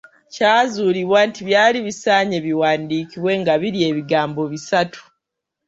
Kyazuulibwa nti byali bisaanye biwandiikibwe nga biri ebigambo bisatu.